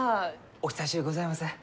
お久しゅうございます。